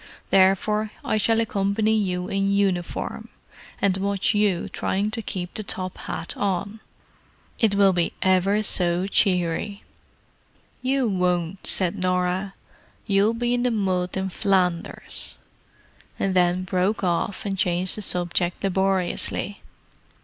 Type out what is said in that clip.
"Therefore I shall accompany you in uniform—and watch you trying to keep the top hat on. It will be ever so cheery." "You won't," said Norah. "You'll be in the mud in Flanders——" and then broke off, and changed the subject laboriously.